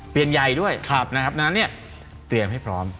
เปลี่ยนใยด้วยนะครับนั้นเนี่ยเตรียมให้พร้อม